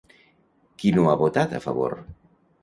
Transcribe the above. Qui no ha votat a favor?